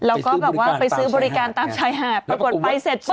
แล้วก็แบบว่าไปซื้อบริการตามชายหาดปรากฏไปเสร็จปุ